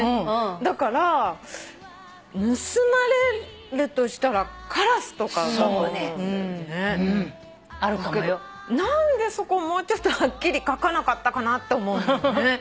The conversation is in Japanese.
だから盗まれるとしたらカラスとかだと。あるかもよ。何でそこもうちょっとはっきり書かなかったかなって思うんだよね。